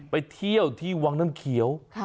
ไปเที่ยวที่วังน้ำเขียว